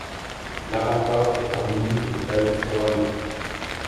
L'avant-corps est orné d'une belle ferronerie.